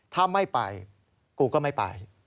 ถ้าไม่ไปกูก็ไม่ไป